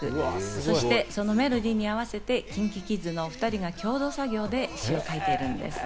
そして、そのメロディーに合わせてＫｉｎＫｉＫｉｄｓのお２人が共同作業で詩を書いているんです。